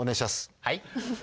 はい？